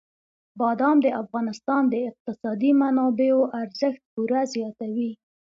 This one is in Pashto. بادام د افغانستان د اقتصادي منابعو ارزښت پوره زیاتوي.